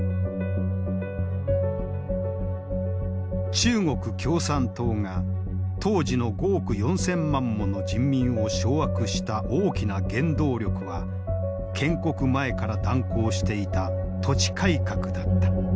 中国共産党が当時の５億４，０００万もの人民を掌握した大きな原動力は建国前から断行していた土地改革だった。